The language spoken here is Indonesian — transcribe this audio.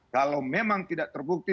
kalau memang tidak terbukti